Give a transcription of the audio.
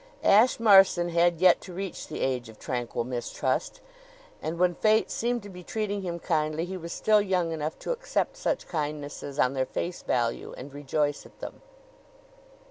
Ashe Marson had yet to reach the age of tranquil mistrust; and when Fate seemed to be treating him kindly he was still young enough to accept such kindnesses on their face value and rejoice at them.